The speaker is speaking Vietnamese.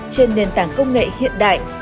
trên nền tảng công nghệ hiện đại